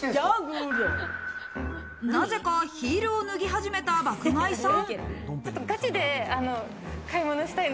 なぜかヒールを脱ぎ始めた爆買いさん。